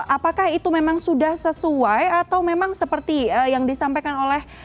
apakah itu memang sudah sesuai atau memang seperti yang disampaikan oleh